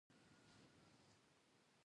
غږونه د انسان حالت ښيي